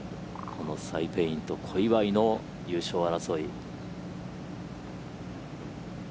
このサイ・ペイインと小祝の優勝争い。